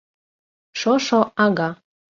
Шошо ага.